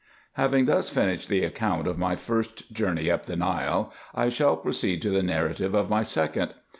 Having thus finished the account of my first journey up the Nile, I shall proceed to the narrative of my second.